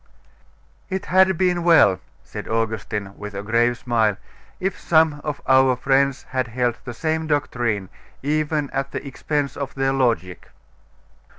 'It had been well,' said Augustine, with a grave smile, 'if some of our friends had held the same doctrine, even at the expense of their logic.